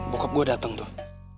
bokap gue dateng tuh